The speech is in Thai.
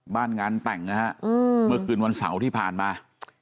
บ้านงานแต่งนะฮะเมื่อคืนวันเสาร์ที่ผ่านมา